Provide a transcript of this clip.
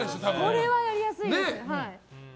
これはやりやすいです。